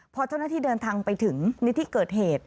พอเจ้าหน้าที่เดินทางไปถึงในที่เกิดเหตุ